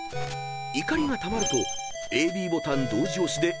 ［怒りがたまるとＡＢボタン同時押しで怒りが爆発］